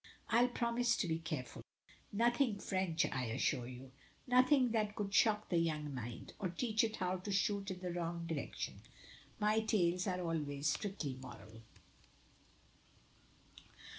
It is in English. "I'll promise to be careful. Nothing French I assure you. Nothing that could shock the young mind, or teach it how to shoot in the wrong direction. My tales are always strictly moral."